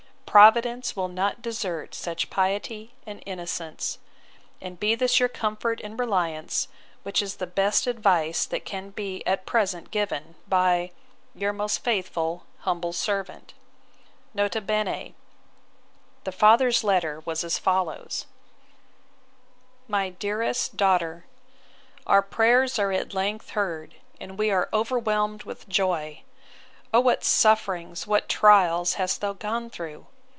Providence will not desert such piety and innocence: and be this your comfort and reliance: Which is the best advice that can at present be given, by 'Your most faithful humble servant.' N. B. The father's letter was as follows: 'My DEAREST DAUGHTER, 'Our prayers are at length heard, and we are overwhelmed with joy. O what sufferings, what trials, hast thou gone through!